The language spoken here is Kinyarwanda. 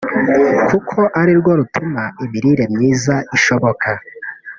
kuko ari rwo rutuma imirire myiza ishoboka